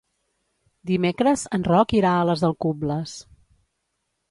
Dimecres en Roc irà a les Alcubles.